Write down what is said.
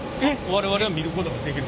我々は見ることができる？